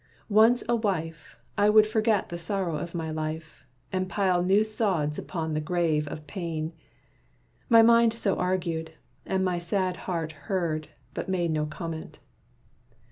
Once a wife, I would forget the sorrow of my life, And pile new sods upon the grave of pain. My mind so argued; and my sad heart heard, But made no comment.